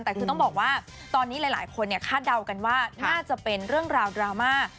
แต่คือต้องบอกว่าตอนนี้หลายคนคาดเดากันว่าน่าจะเป็นเรื่องราวดราม่า